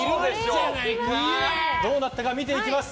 どうなったか見ていきます。